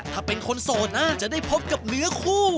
ถ้าเป็นคนโสดน่าจะได้พบกับเนื้อคู่